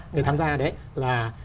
người tham gia là